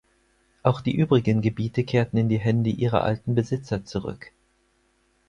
Auch die übrigen Gebiete kehrten in die Hände ihrer alten Besitzer zurück.